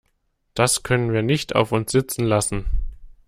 Das können wir nicht auf uns sitzen lassen!